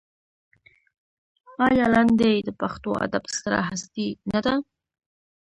آیا لنډۍ د پښتو ادب ستره هستي نه ده؟